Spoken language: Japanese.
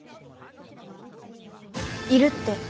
いるって。